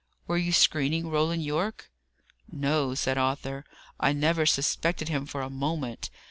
Were you screening Roland Yorke?" "No," said Arthur, "I never suspected him for a moment.